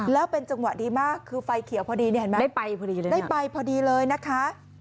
แล้วเป็นจังหวัดดีมากคือไฟเขียวพอดีได้ไปพอดีเลยนะคะ